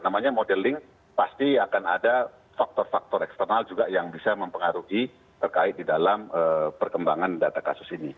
namanya modeling pasti akan ada faktor faktor eksternal juga yang bisa mempengaruhi terkait di dalam perkembangan data kasus ini